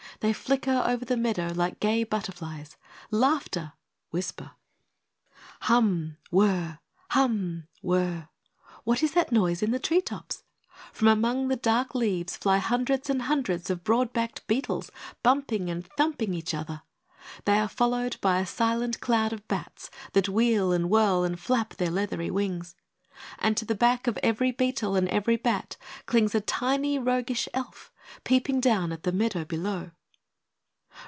They flicker over the meadow like gay butterflies. Laughter! whisper! Hum! whirr! Hum! whirr! What is that noise in the tree tops? From among the dark leaves fly hundreds and hundreds of broad backed beetles, bumping and thumping each other. They are followed by a silent cloud of bats, that wheel and whirl, and flap their leathery wings. And to the back of every beetle and every bat clings a tiny roguish Elf peeping down at the meadow below.